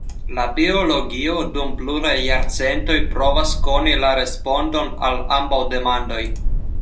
La biologio dum pluraj jarcentoj provas koni la respondon al ambaŭ demandoj.